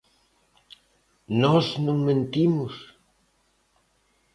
Nós non mentimos?